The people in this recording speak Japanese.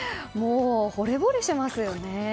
ほれぼれしますよね。